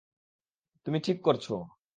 তুমি ঠিক করছো।